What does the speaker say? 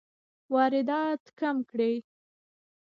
واردات کم کړئ